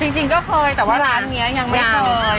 จริงก็เคยแต่ว่าร้านนี้ยังไม่เคย